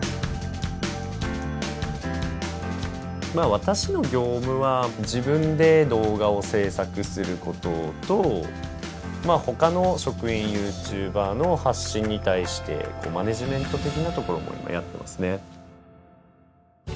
私の業務は自分で動画を制作することとほかの職員ＹｏｕＴｕｂｅｒの発信に対してマネジメント的なところも今やってますね。